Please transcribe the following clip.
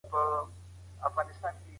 د ملي عايد زياتوالی د تېر په پرتله چټک دی.